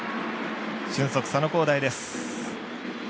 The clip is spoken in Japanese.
俊足、佐野皓大です。